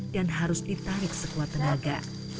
dan harus ditarik sekuat tenaga